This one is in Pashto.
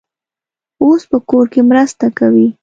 اوس په کور کې مرسته کوي.